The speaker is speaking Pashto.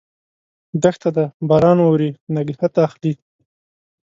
دښته ده ، باران اوري، نګهت اخلي